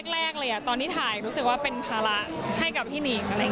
แรกเลยตอนที่ถ่ายรู้สึกว่าเป็นภาระให้กับพินิก